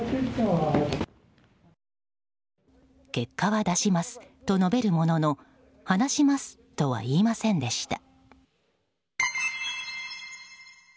結果は出しますと述べるものの話しますとは言いませんでした。